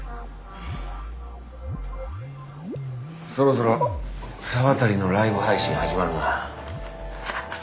そろそろ沢渡のライブ配信始まるな。